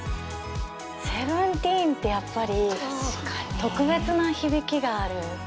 セブンティーンってやっぱり特別な響きがある。